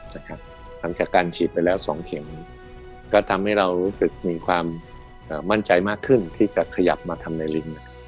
หลังจากการฉีดไปแล้ว๒เข็มก็ทำให้เรารู้สึกมีความมั่นใจมากขึ้นที่จะขยับมาทำในลิง